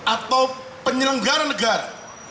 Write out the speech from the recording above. atau penyelenggaran negara